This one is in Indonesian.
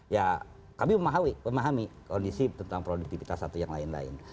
ya kami memahami kondisi tentang produktivitas satu yang lain lain